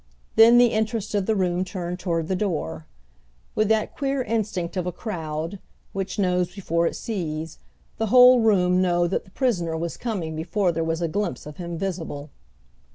Then the interest of the room turned toward the door. With that queer instinct of a crowd, which knows before it sees, the whole room know that the prisoner was coming before there was a glimpse of him visible.